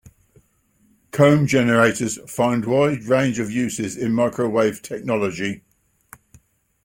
Comb generators find wide range of uses in microwave technology.